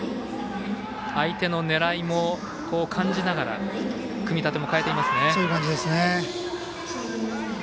相手の狙いも感じながら組み立ても変えていますね。